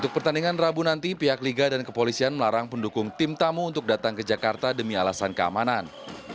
untuk pertandingan rabu nanti pihak liga dan kepolisian melarang pendukung tim tamu untuk datang ke jakarta demi alasan keamanan